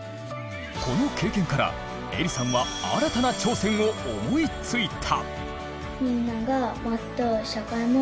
この経験からえりさんは新たな挑戦を思いついた。